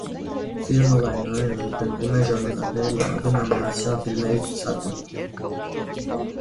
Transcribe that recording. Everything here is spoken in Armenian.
Ֆիլմը լայնորեն ընդգրկվում է ժամանակների լավագույն անիմացիոն ֆիլմերի ցուցակում։